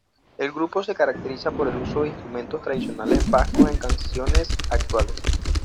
El grupo se caracteriza por el uso de instrumentos tradicionales vascos en canciones actuales.